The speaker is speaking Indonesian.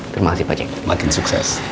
terima kasih pak jk makin sukses